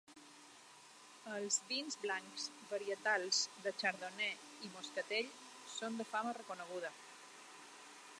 Els vins blancs varietals de chardonnay i de moscatell són de fama reconeguda.